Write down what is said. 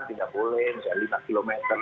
tidak boleh misalnya lima km